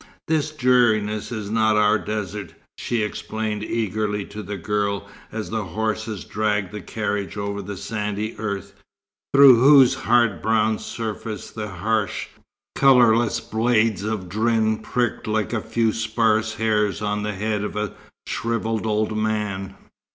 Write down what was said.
"This dreariness is not our desert," she explained eagerly to the girl, as the horses dragged the carriage over the sandy earth, through whose hard brown surface the harsh, colourless blades of drinn pricked like a few sparse hairs on the head of a shrivelled old man.